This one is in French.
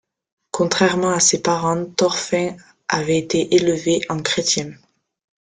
Contrairement à ses parents, Thorfinn avait été élevé en chrétien.